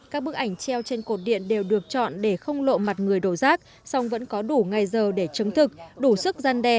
các bức ảnh treo trên cột điện đều được chọn để không lộ mặt người đổ rác song vẫn có đủ ngày giờ để chứng thực đủ sức gian đe